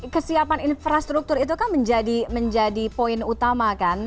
kesiapan infrastruktur itu kan menjadi poin utama kan